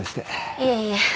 いえいえ。